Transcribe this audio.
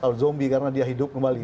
al zombie karena dia hidup kembali